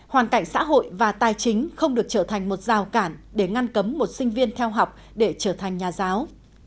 hoàn cảnh xã hội và tài chính không được trở thành một rào cản để ngăn cấm một sinh viên theo học để trở thành nhà giáo